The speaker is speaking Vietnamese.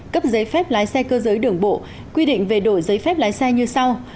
cấp giấy phép lái xe cơ giới đường bộ quy định về đổi giấy phép lái xe như sau